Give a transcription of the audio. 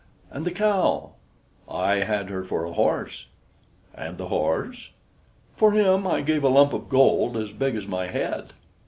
"And the cow?" "I had her for a horse." "And the horse?" "For him I gave a lump of gold as big as my head."